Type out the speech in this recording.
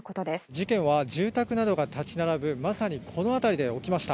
事件は住宅などが立ち並ぶ、まさにこの辺りで起きました。